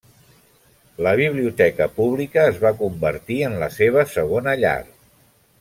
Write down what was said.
La biblioteca pública es va convertir en la seva segona llar.